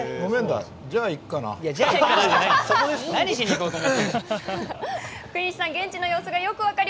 じゃあ、行くかな。